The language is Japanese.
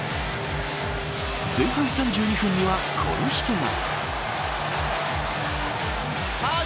前半３２分には、この人が。